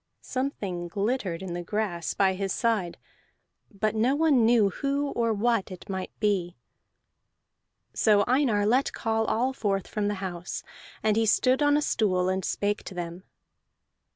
Something glittered in the grass by his side, but no one knew who or what it might be. So Einar let call all forth from the house, and he stood on a stool, and spake to them.